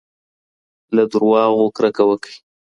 له درواغو کرکه وکړئ.